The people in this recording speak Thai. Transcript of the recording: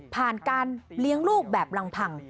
ผ่านการเลี้ยงลูกแบบรังพัง